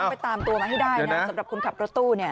ไปตามตัวมาให้ได้นะสำหรับคนขับรถตู้เนี่ย